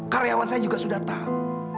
karyawan saya juga sudah tahu